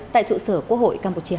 tại trụ sở quốc hội campuchia